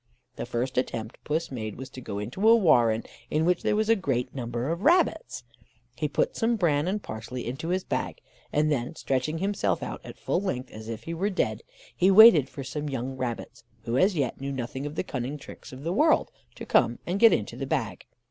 The first attempt Puss made was to go into a warren, in which there was a great number of rabbits. He put some bran and parsley into his bag; and then, stretching himself out at full length, as if he were dead, he waited for some young rabbits, who as yet knew nothing of the cunning tricks of the world, to come and get into the bag.